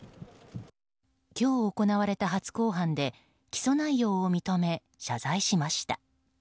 今日行われた初公判で起訴内容を認め、謝罪しました。